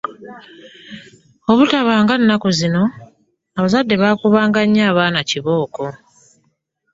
Obutaba nga nnakku zino, abazadde baakubanga nnyo abaana kibooko.